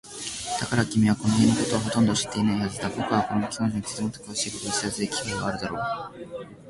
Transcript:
だから、君はこの家のことはほとんど知っていないはずだ。ぼくの婚約者についてもっとくわしいことを知らせる機会はあるだろう。